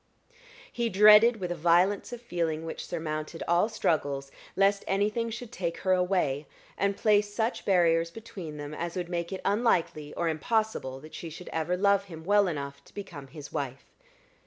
He dreaded, with a violence of feeling which surmounted all struggles, lest anything should take her away, and place such barriers between them as would make it unlikely or impossible that she should ever love him well enough to become his wife.